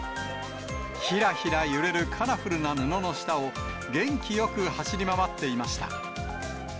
ひらひら揺れるカラフルな布の下を、元気よく走り回っていました。